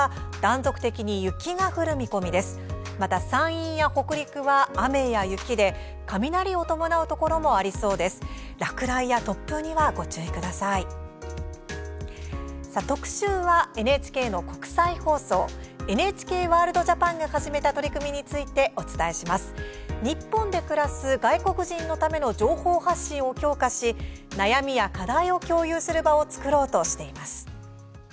日本で暮らす外国人のための情報発信を強化し悩みや課題を共有する場を作ろうとしています。